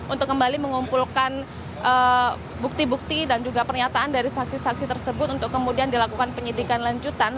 untuk kembali mengumpulkan bukti bukti dan juga pernyataan dari saksi saksi tersebut untuk kemudian dilakukan penyidikan lanjutan